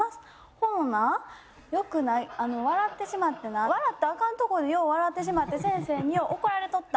保乃なよくな笑ってしまってな笑ったらアカンとこでよう笑ってしまって先生によう怒られとった。